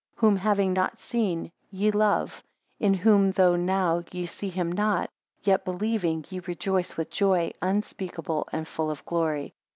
Whom having not seen, ye love; in whom though now ye see him not, yet believing, ye rejoice with joy unspeakable and full of glory.